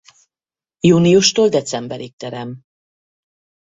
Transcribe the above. Júniustól decemberig terem.